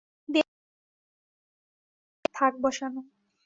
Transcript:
দেয়ালের গায়ে উপর পর্যন্ত কাঠের থাক বসানো।